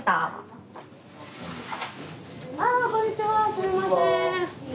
すいません。